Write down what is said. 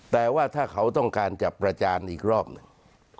แต่ว่าถ้าเขาต้องการจับประจานอีกรอบหนึ่ง